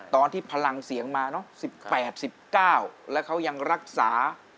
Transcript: ตอนที่พลังเสียงมา๑๘๑๙แล้วเขายังรักษา